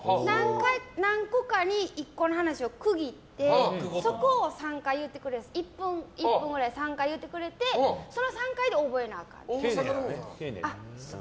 何個かに１個かの話を区切ってそこを３回言っていく１個１個を３回言ってくれてその３回で覚えなあかん。